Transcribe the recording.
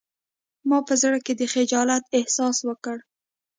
ما په زړه کې د خجالت احساس وکړ